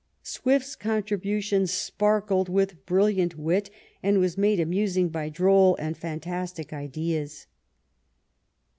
Swift's con tribution sparkled with brilliant wit, and was made amusing by droll and fantastic ideas.